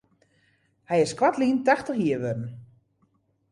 Hy is koartlyn tachtich jier wurden.